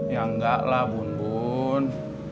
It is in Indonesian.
ya enggak lah bun bun